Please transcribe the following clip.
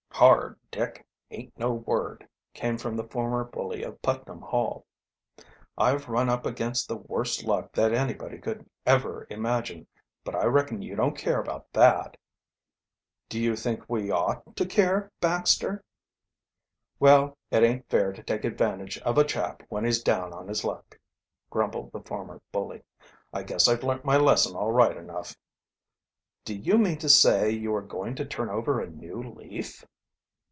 "Hard, Dick, aint no word," came from the former bully of Putnam Hall. "I've run up against the worst luck that anybody could ever imagine. But I reckon you don't care about that?" "Do you think we ought to care, Baxter?" "Well, it aint fair to take advantage of a chap when he's down on his luck," grumbled the former bully. "I guess I've learnt my lesson all right enough." "Do you mean to say you are going to turn over a new leaf?"